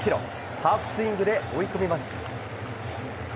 ハーフスイングで追い込みます。